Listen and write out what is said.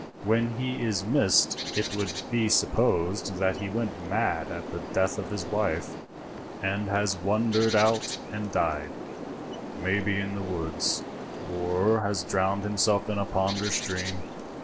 When he is missed it will be supposed that he went mad at the death of his wife, and has wandered out and died, maybe in the woods, or has drowned himself in a pond or stream.